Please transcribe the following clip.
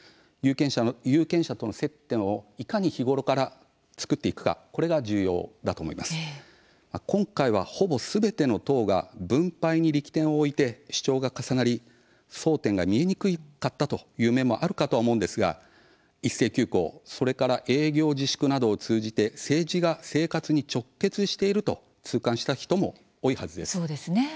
有権者との接点をいかに日頃から作っていくかそれが重要だと思います、今回はほぼすべての党が分配に力点を置いて争点が見えにくかったという面もあるかと思いますが一斉休校、それから営業自粛などを通じて政治が生活に直結していると痛感した人も多いはずです。